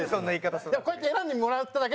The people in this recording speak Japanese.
でもこうやって選んでもらっただけでも。